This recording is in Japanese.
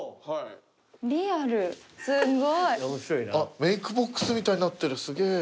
リアルすごい。あっメークボックスみたいになってるすげぇ。